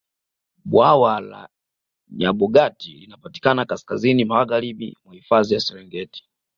bwawa la nyabogati linapatikana kaskazini magharibi mwa hifadhi ya serengeti